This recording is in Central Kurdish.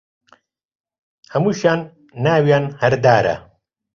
هەمووشیان ناویان هەر دارە